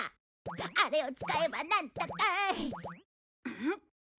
あれを使えばなんとか。